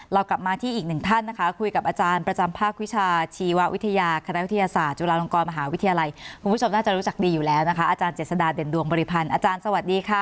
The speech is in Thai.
เรากลับมาที่อีกหนึ่งท่านนะคะคุยกับอาจารย์ประจำภาควิชาชีววิทยาคณะวิทยาศาสตร์จุฬาลงกรมหาวิทยาลัยคุณผู้ชมน่าจะรู้จักดีอยู่แล้วนะคะอาจารย์เจษฎาเด่นดวงบริพันธ์อาจารย์สวัสดีค่ะ